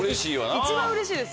一番うれしいです